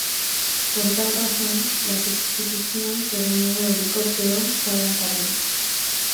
Por tal razón, la substitución por un nuevo helicóptero ya va en camino.